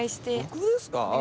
僕ですか？